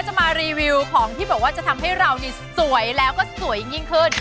จะมารีวิวของที่บอกว่าจะทำให้เรานี่สวยแล้วก็สวยยิ่งขึ้น